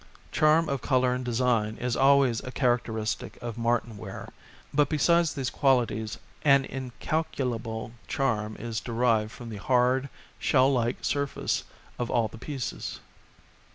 Charm of colour and design is always a characteristic of Martinware, but besides these qualities an incal culable charm is derived from the hard, shell like 173 ALL MANNER OF FOLK surface of all the pieces.